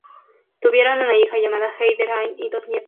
Tuvieron una hija llamada Heather Anne, y dos nietos.